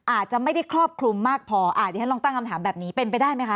อาจจะไม่ได้ครอบคลุมมากพออ่าเดี๋ยวฉันลองตั้งคำถามแบบนี้เป็นไปได้ไหมคะ